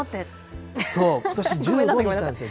そう、ことし１５にしたんですよ。